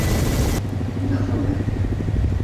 Dafude.